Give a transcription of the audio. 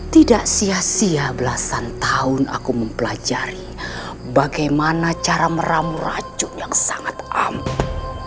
tidak sia sia belasan tahun aku mempelajari bagaimana cara meramu racun yang sangat ampuh